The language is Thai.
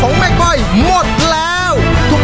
พระปักษมันก็วางแล้วลูก